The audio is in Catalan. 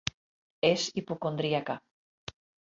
És hipocondríaca.